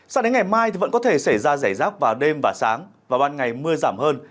sao đến ngày mai vẫn có thể xảy ra giải rác vào đêm và sáng và ban ngày mưa giảm hơn